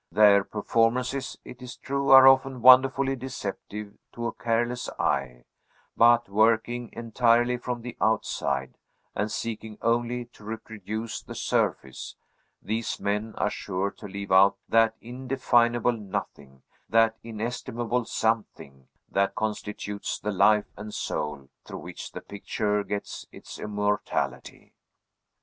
Their performances, it is true, are often wonderfully deceptive to a careless eye; but working entirely from the outside, and seeking only to reproduce the surface, these men are sure to leave out that indefinable nothing, that inestimable something, that constitutes the life and soul through which the picture gets its immortality.